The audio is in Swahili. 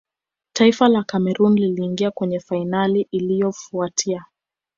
taifa la cameroon liliingia kwenye fainali iliyofuatia